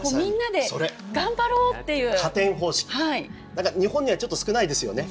だから日本にはちょっと少ないですよね